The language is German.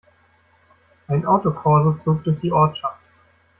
Ein Autokorso zog durch die Ortschaft.